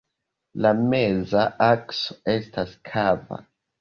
La meza akso estas kava.